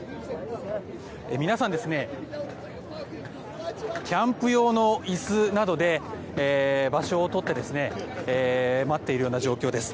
皆さん、キャンプ用の椅子などで場所をとって待っているような状況です。